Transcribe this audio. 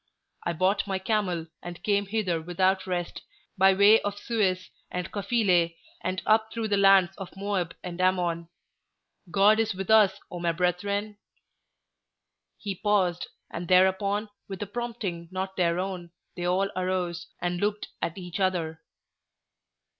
I bought my camel, and came hither without rest, by way of Suez and Kufileh, and up through the lands of Moab and Ammon. God is with us, O my brethren!" He paused, and thereupon, with a prompting not their own, they all arose, and looked at each other.